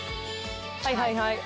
はいはいはい。